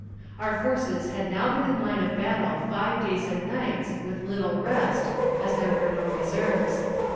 Our forces had now been in line of battle five days and nights, with little rest, as there were no reserves.